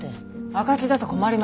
赤字だと困ります。